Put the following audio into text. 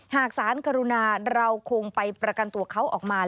หากสารกรุณาเราคงไปประกันตัวเขาออกมา